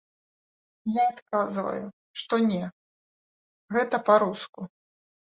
Я адказваю, што не, гэта па-руску.